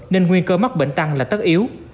nên nguy cơ mắc bệnh tăng là tất yếu